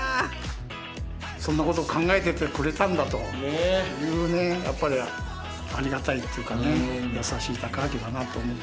そんなこと考えててくれたんだというねやっぱりありがたいっていうかね優しいたかあきだなと思って。